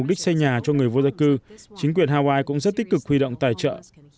ích xây nhà cho người vô gia cư chính quyền hawaii cũng rất tích cực huy động tài trợ